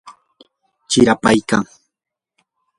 chirapaykan.